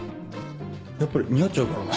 やっぱり似合っちゃうからな。